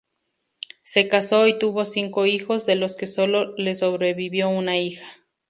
Se casó y tuvo cinco hijos, de los que solo le sobrevivió una hija.